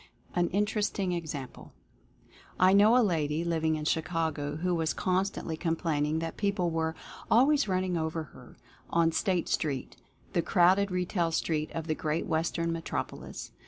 AN INTERESTING EXAMPLE. I know a lady, living in Chicago, who was con stantly complaining that people were "always running over her" on State Street (the crowded retail street of the great Western metropolis).